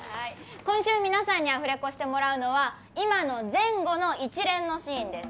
今週皆さんにアフレコしてもらうのは今の前後の一連のシーンです